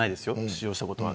使用したことは。